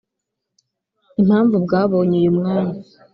Impamvu bwabonye uyu mwanya